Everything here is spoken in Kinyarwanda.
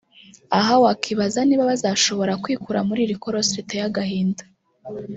Aha wakwibaza niba bazashobora kwikura muri iri korosi riteye agahinda